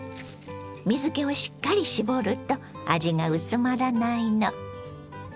水けをしっかり絞ると味が薄まらないの。